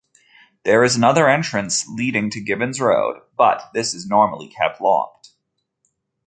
There is another entrance leading to Gibbons Road but this is normally kept locked.